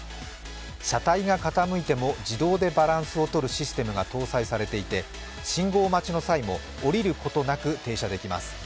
車体が傾いても自動でバランスをとるシステムが搭載されていて信号待ちの際も降りることなく停車できます。